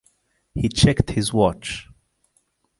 He checked his watch.